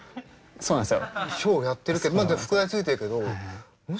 そうなんですよ。